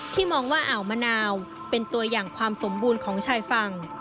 มองว่าอ่าวมะนาวเป็นตัวอย่างความสมบูรณ์ของชายฝั่ง